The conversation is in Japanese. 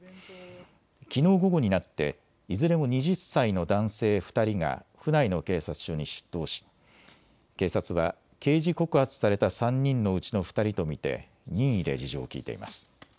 きのう午後になっていずれも２０歳の男性２人が府内の警察署に出頭し警察は刑事告発された３人のうちの２人と見て任意で事情を聴いています。